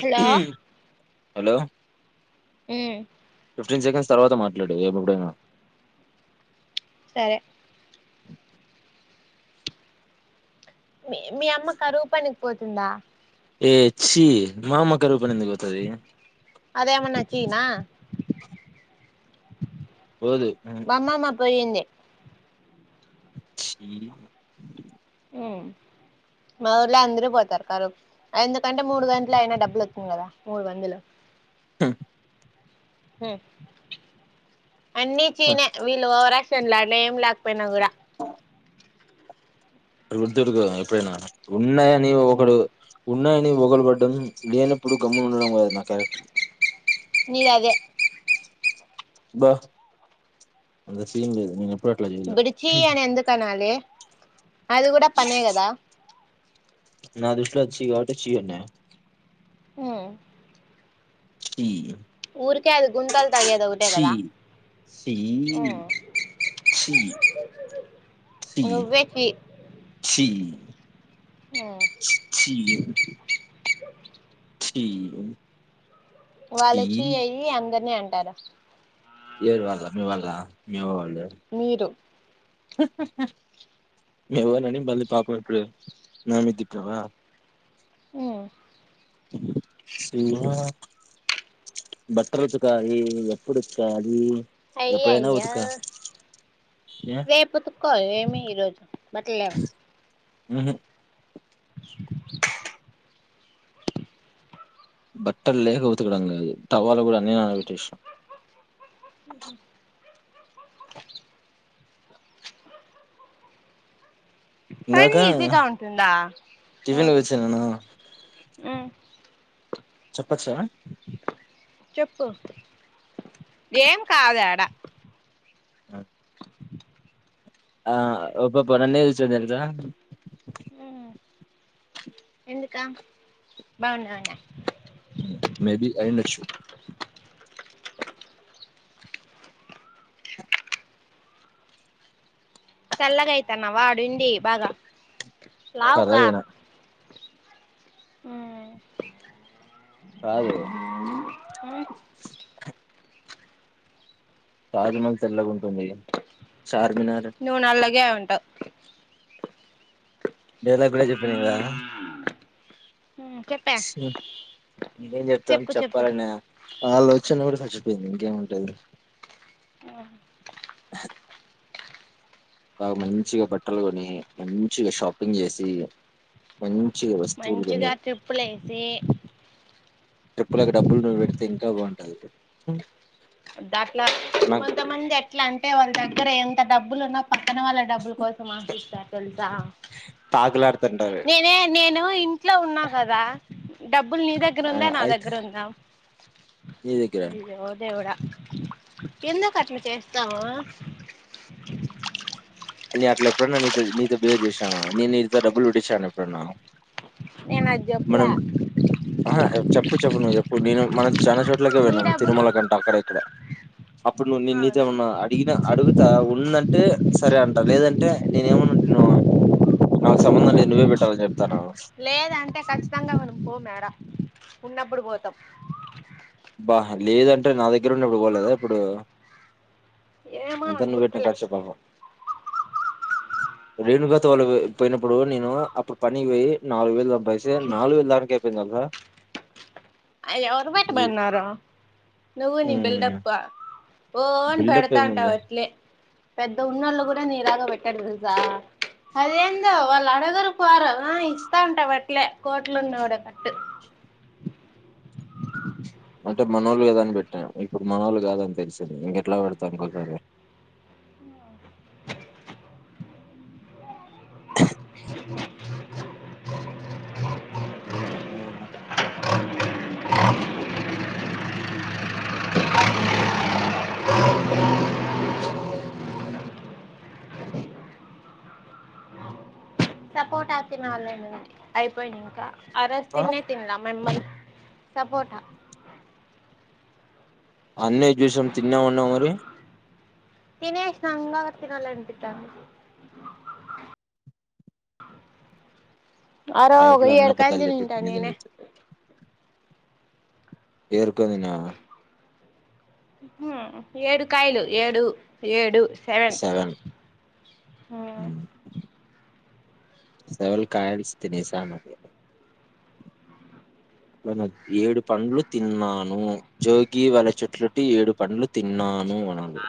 Hello hello um fifteen seconds తర్వాత మాట్లాడు ఎప్పుడైనా సరే మీ మీ అమ్మ కరువు పనికి పోతుందా ఏ చీ మా అమ్మ కరువు పనికి ఎందుకు పోతది అదేమన్నా చీ నా పోదు [unintelligible] మా అమ్మమ్మ పోయింది చీ ఉమ్ మా ఊర్లో అందరూ పోతారు కరువుకి ఎందుకంటే మూడు గంటలు అయినా డబ్బులు వస్తుంది కదా మూడు వందలు ఉమ్ హమ్ అన్ని చీనే వీళ్ళు ఓవర్ ఆక్షన్ లాట్ల ఏం లేకపోయినా కూడా గుర్తుపెటుకో ఎప్పుడైనా ఉన్నాయని ఉమ్ ఒకడు ఉన్నాయని బగలు పడ్డం లేనప్పుడు గమ్మున ఉండడం కాదు నా క్యారెక్టర్ నీలాగే బా అంత సీన్ లేదు నేనేపు దుడు చీ అని ఎందుకనాలి అది కూడా పనే కదా నా దృష్టిలో అది చీ కాబట్టే చీ అన్నా ఉమ్ చీ ఊర్కే అది గుంటల్ తాగేది ఒకటే కదా ఛీ ఛీ ఓ నువ్వే కీ ఛీ ఉమ్ ఛీఛీ చీ వాళ్ళొచ్చి అయ్యి అందరినీ అంటార ఏరు వాళ్ళ మీ వాళ్ళ మీవోళ్ళు మీరు మీ అవ్వ ని అని [unintelligible] పాపం ఇప్పుడు నామీద తిప్పినావ ఊ సినువా బట్టలుతకాలి ఎపుడు ఉతకాలి ఎప్పుడైనా అయ్యయ్యో ఉతక ఏ రేపుతుక్కో ఏమి ఈ రోజు బట్టలేవా ఊహు బట్టలులేక ఉతకడం కాదు టవల్ కూడా అన్నీ నానబెట్టేసిన అ అ ఇందాక పని ఈజీగా ఉంటుందా టిఫన్ కి పోయోచ్చినాను ఊ చెప్పొచ్చ చెప్పు ఏం కాద్ యాడ ఊ ఆ ఓ పాప నన్నే జూస్తాంది తెల్సా ఊ ఎందుకా బాగున్నావనా ఉ మేబీ అయ్యుండొచ్చు తెల్లగైతన్నావా ఆడుండి బాగా లావుకా కర్రగనా ఊమ్ కాదు తాజమహల్ తెల్లగుంటుంది చార్మినార్ నువ్వు నల్లగే ఉంటావ్ డైలాగ్ గూడ జెప్పినా కదా ఊమ్ చెప్ ఇంకేం చెప్తాం చెప్పు చెప్పాలండి ఆలోచన కూడా చచ్చిపోయింది ఇంకేముంటది ఆహ బాగా మంచిగా బట్టలు కొని మంచిగా షాపింగ్ చేసి మంచి చిగా వస్తువులు గొని మంచిగా ట్రిప్పులేసి ట్రిప్పులకి డబ్బులు నువ్వు పెడితే ఇంకా బాగుంటది దట్లా నాకు కొంతమంది ఎట్లా అంటే వాళ్ళ దగ్గర ఎంత డబ్బులు ఉన్నా పక్కన వాళ్ళ డబ్బుల కోసం ఆశిస్తారు తెలుసా తాకులాడుతుంటారు నేనే నేను ఇంట్లో ఉన్నా కదా డబ్బులు నీ దగ్గర ఆ ఉందా నా అయితే దగ్గర ఉందా నీ దగ్గర అయ్యో దేవుడా ఎందుకట్ల చేస్తావు నేను అట్ల ఎప్పుడన్నా నీతో నీతో బిహేవ్ చేశాన నేను నీతో డబ్బులు కొట్టించన ఎప్పుడన్నా నేన్ అది చెొప్లా ఆహ చెప్పు చెప్పు నువ్వు చెప్పు నేను మనం చాలా చోట్లకే నీ విన్నా డబ్బులు తిరుమల కంట అక్కడ ఇక్కడ అప్పుడు నువ్వు నేను నీతే అవునా ఏమన్నా అడిగిన అడుగుతా ఉందంటే సరే అంట లేదంటే నేనేమన్నా నిన్ను నాకు సంబంధం లే నువ్వే పెట్టాలని చెప్తాను లేదంటే ఖచ్చితంగా మనం పోమార ఉన్నప్పుడు పోతాం బా లేదంటే నా దగ్గర ఉండి ఇప్పుడు పోలేదా ఇప్పుడు ఏమో అంత నాకు నువ్వు పెట్టిన గుర్తులే ఖర్చున రేణు గత వాళు పోయినప్పుడు నేను అప్పుడు పనికి పోయి నాలుగు వేల డబ్బై నాలుగు వేలు దానికే అయిపోయి దాంక అయ్ ఎవరు పెట్టమన్నారు నువ్వు నీ హ్మ్ బిల్డప్ ఓ అని బిల్డప్ పెడతా ఉంటావు ఏముంది అట్లే పెద్ద ఉన్నోళ్ళు కూడ నీలాగ పెట్టరు తెలుసా అదేందో వాళ్ళు అడగరు పోరు ఆ ఇస్తా ఉంట వట్లే కోట్లు ఉన్న వాడట్టు అంటే మనోల్లు గదా అని బెట్టా ఇప్పుడు మనోల్లు గాదని తెలిసింది ఇంకెట్లా పెడతా ఇంకోసారి సపోట తినాలని ఉంది అయిపోయినంకా ఆరోజు ఆ తిినే తిన్లా మెంబర్ సపోట అన్నీ జూసాం తిన్నా అన్నావ్ మరి తినేషినాంగ తినాలనిపిస్తంది ఆరో లైఫ్ ఒక లో అన్ని ఏడు కాయలు అబద్ధాలు తిని చెప్పి ఉంటా ఇప్పుడు నిజం నేనే చెప్తే ఏర్కొని తిన్నావ ఉ ఏడు కాయలు ఏడు ఏడు సెవెన్ ఆ సెవన్ కాయల్స్ తినేసా అనాలి ఏడు పండ్లు తిన్నాను జోగి వాళ్ళ చెట్లుటి ఏడు పండ్లు తిన్నాను అనాలి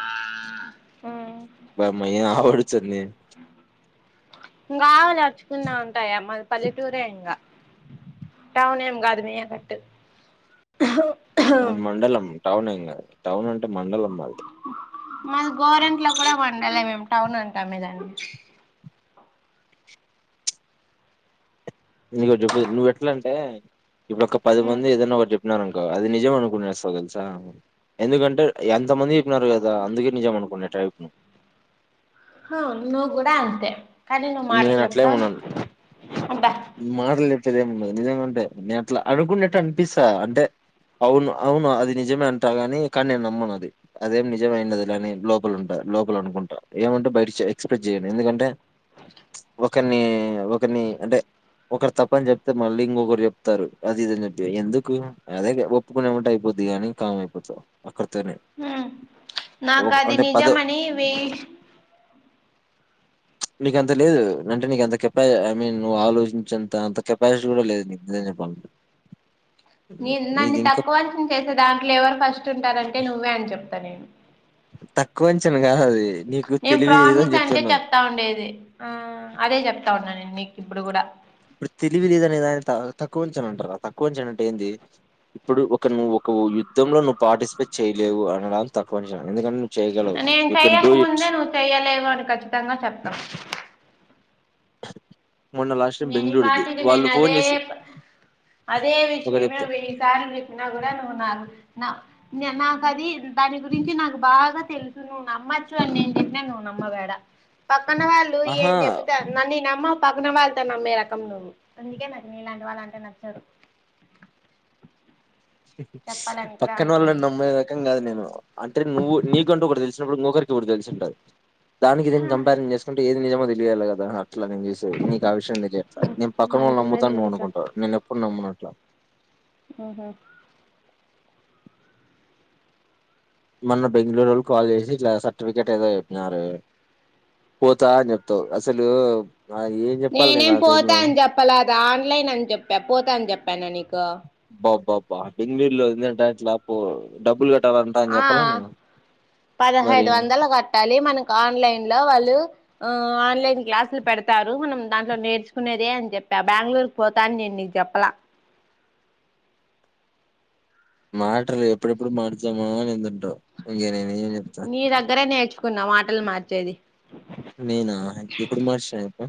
పాప్ మే ఎ ఆవడతు స్తుంది ఇంగా వెన నడుచుకున్నా ఉంటాయా మా పల్లెటూరే ఇంకా టౌన్ ఏం గాదు మియ్యన్నట్టు మాది మండలం టౌన్ ఏం కాదు టౌన్ అంటే మండలం మాది మాది గోరెంట్లో గూడా వండల్ మేము టౌన్ అంటాం దాన్ని నీకొటి జెప్పు నువ్వు ఎట్ల అంటే ఇప్పుడు ఒక పది మంది ఏదైనా ఒకటి చెప్పినారు అనుకో అది నిజమ్ అనుకునేస్తావు తెలుసా ఎందుకంటే ఎంత మంది చెప్పినారు కదా అందుకే నిజం అనుకునే ట్రైప్ ను హ నువ్ కూడా అంతే కానీ నువ్ నేను మాటలు చెప్తావ్ అబ్బా మాటలుజెప్పేదేమన్నా నిజంగ అంటే నేను అట్లా అడుకునేట్టు అనిపిస్తా అంటే అవును అవును అది నిజమే అంటా గాని కానీ నేను నమ్మను అది అదేం నిజమై ఉండదు అని లోపల ఉంటారు లోపల అనుకుంటా ఏమంటే బయట ఎక్స్ప్రెస్ చేయను ఎందుకంటే ఒకర్ని ఒకర్ని అంటే ఒకరు తప్ప అని జెప్తే మళ్ళీ ఇంకొకరు చెప్తారు అది ఇదని చెప్ప ఎందుకు అదే తప్పు అనుకుంట్ అయిపోద్ది అని కామ్ అయిపోతావు అక్కడితోనే హ్మ్ నాకు ఒక అది అంటే పదో నిజమని వే నీక అంత లేదు అంటే నీకు అంత కెపా ఐ మీన్ నువ్వు ఆలోచించేంత అంత కెపాసిటీ గూడా లేదు నీకు నిజం చెప్పాల [inaudible] నీ నన్ను తక్కువంచన చేసే దాంట్లో ఎవరు ఫస్ట్ ఉంటారంటే నువ్వే అని చెప్తా నేను తక్కువంచన గదాది నీకు నేను తెలివి లేదనీ ప్రామిస్ అంటే చెప్తున్నా చెప్తా ఉండేది ఆ అదే జెప్తా ఉన్నాను నేను నీకు ఇప్పుడు కూడా ఇప్పుడు తెలివి లేదనేదనేదాన్ని త తక్కువ అంచాన అంటారా? తక్కువ అంచన అంటే ఏంది? ఇప్పుడు ఒక నువ్వు ఒక యు యుద్ధం లో నువ్వు పార్టిసిపేట్ చేయలేవు అనడాన్నీ తక్కువఅంచనా ఎందుకంటే ను నేను చెయ్యక ముందే నువ్వు చెయ్యలేవు అని కచ్చితంగా చెప్తావ్ [inaudible] లాస్ట్ టైం నేను ఈ బెంగళూరుది పాటికి వాళ్ళు నేను ఫోన్ అదే చేసి ప అదే ఒకటి విషయమే చెప్తా వెయ్యిసార్లు చెప్ నా కూడా నువ్వు నా నా నాకు అది దాని గురించి నాకు బాగా తెలుసు నువ్వు నమ్మట్లే అని నేను జెప్పిన నువ్వు నమ్మవిడ పక్కన వాళ్ళ నువ్ ఆహా ఏం చెబ్తే అది నన్న నమ్మవు పక్కన వాల్లు నమ్మే రకం నువ్వు అందుకే నాకు నీ ఇలాంటి వాళ్ళ అంటే నచ్చదు చెప్పాలని కూడా పక్కన అనుకోను వాళ్ళనమ్మే రకం కాదు నేను అంటే నువ్వు నీకంటూ ఒక తెలిసినప్పుడు ఇంకొకరి డీకి తెలిసి ఉంటాది దానికి దీనికి కంపేరీజన్ చేసుకుంటే ఏది నిజమో తెలియాలి కదా అట్లా నేను చూస్ స నీకు ఆ విషయంం తెలియట్లే నేను పక్కనోళ్లను మంచి పని నమ్ముతాను నువ్ చేసావ్ అనుకుంటా నేను ఎప్పుడు నమ్ముమనట్లా ఆహా మొన్న బెంగుళూరోల్ కాల్ చేసి ఇట్లా సర్టిఫికేెట్ ఏదో చెప్పినారె పోతా అని చెప్తావు అసలు ఏ నేనేం పోతా అని చెప్పలేదు ఆన్లైన్ అని చెప్పా పోతాని చెప్పానా నీకు బా బాబా బెంగళూలో ఇందంట ఎట్లా బో డబ్బులు కట్టాలంటా అని ఆ చెప్పాలే నువ్వు మరి పెట్టాలి మనకు ఆన్లైన్ లో వాళ్ళు ఆ ఆన్లైన్ క్లాసులు పెడతారు మనం దాంట్లో నేర్చుకునేదే అని చెప్పి బెంగళూరు పోతాన్ నేను నీకు చెప్పలే మాటలు ఎప్పుడెప్పుడు మారుద్దామా అని ముందుటావు ఇంక నేనేం ఎం చెప్తా. నీ దగ్గరే నేర్చుకున్నా మాటలు మార్చేది. నేనా ఎప్పుడు మార్చను చెప్పు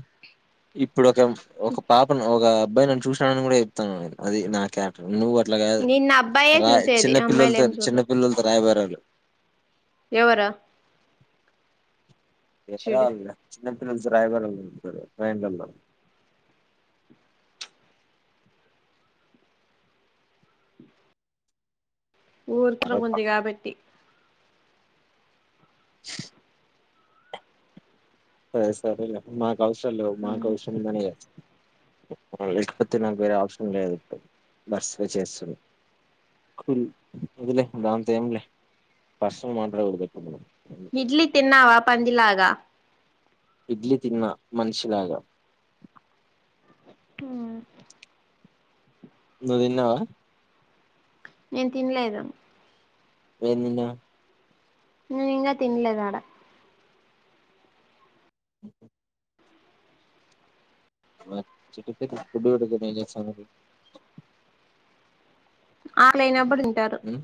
ఇప్పుడు ఒక ఒక పాపను ఒక అబ్బాయి నన్ను చూసి కూడా చెప్తా అది నా కేరెక్ట్ నువ్వు అట్లాగాదు నిన్న అబ్బాయే రా చూసేది చిన్న అమ్మాయిలు ఏం పిల్లలతోనీ చిన్న చూడరు పిల్లలతోనీ రాయబరాలు ఎవరు? ఎవరో చూడు వాళ్ళు లే చిన్నపిల్లలతో రాయబారాలు నడిపేరు రైలలో ఉత్త్రం అరె ఉంది పక్క కాబట్టి [unintelligible] సరే సరేలే మాకు అవసరాళ్ లేవ్ మాకు అవసరం ఉందనే గా లేకపోతే నాకు వేరే ఆప్షన్ లేదు ఇప్పుడు బర్స్వ చేస్తున్రూ అప్పుల్ వద్దులే దాంతో ఏం లే పర్సనల్ మాట్లాడొద్దు గా ఇప్పుడు ఇడ్లీ తిన్నావా పందిలాగా ఇడ్లీ తిన్న మనీషిలాగా ఆ నువ్వు తినవా నేను తినలేదు వేం తిన్నావ్ నేను ఇంకా తిన్లే దాడా [unintelligible] ఇప్పటివరకు ఏం చేస్తున్నవు ఆకలైనప్పుడు తింటారు ఉమ్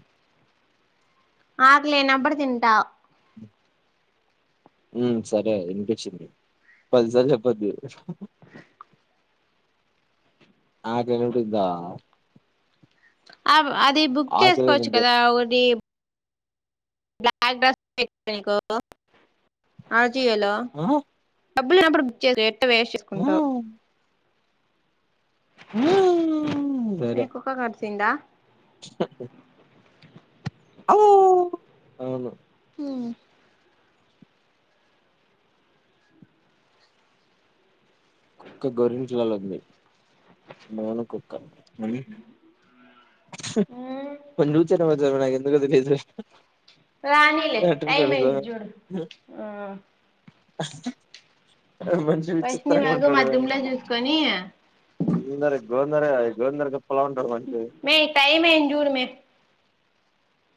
ఆకలైనప్పుడు తింటా ఉ సరే ఇనిపించింది పదిసార్లు చెప్పొద్దు [unintelligible] ఆ అది బుక్ ఆకలి చేసుకోవచ్చు ఉంటే కదా ఒకటి బ్లాక్ డ్రెస్ బుక్ చేసుకో ఆ జియోలో ఆ డబ్బులునప్పు బక్ చేయాకు లేనప్పుడు వేస్ట్ ఆ చేసుకుంటావు అమ్మో సరే నీకు కుక్క కరిసిందా ఆవ్ అవును హ కుక్క గోరిట్లలో ఉంది మౌన కుక్క హ కొంచెం [unintelligible] నాకు ఎందుకో తెలీదు రానీలే టైం అయింది చూడు ఆ ఆ మంచిది ఫస్ట్ నీ మొఖం అద్దంలో చూసుకొని గోవింద గోవింద గోవిందరా గోప్పలా ఉంటారు మంచిగా అమే టైం అయింది చూడమ్మా